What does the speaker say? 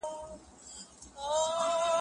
ژوند رنګ اړوي